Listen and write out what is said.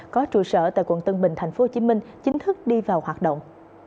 có trụ sở tại quận tân bình tp hcm chính thức đi vào hoạt động